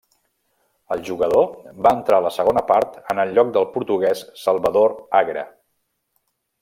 El jugador va entrar a la segona part en el lloc del portuguès Salvador Agra.